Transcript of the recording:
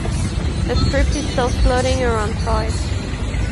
A script is still floating around for it.